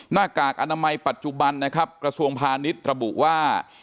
หน้ากากอนามัยปัจจุบันนะครับกระทรวงพาณิชย์ระบุว่า